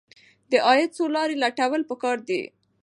د عاید څو لارې لټول پکار دي.